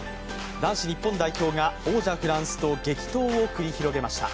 男子日本代表が、王者フランスと激闘を繰り広げました。